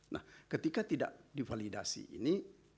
nah ketika tidak divalidasi ini